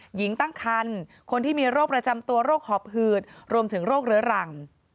หญิงตั้งคันคนที่มีโรคประจำตัวโรคหอบหืดรวมถึงโรคเรื้อรัง